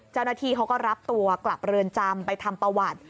เจ้าหน้าที่เขาก็รับตัวกลับเรือนจำไปทำประวัติ